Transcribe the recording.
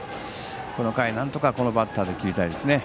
この回、なんとかこのバッターで切りたいですね。